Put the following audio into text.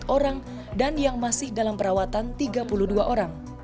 empat ratus delapan puluh empat orang dan yang masih dalam perawatan tiga puluh dua orang